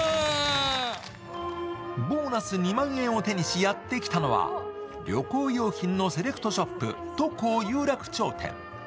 ボーナス２万円を手にしやって来たのは、旅行用品のセレクトショップトコー有楽町店。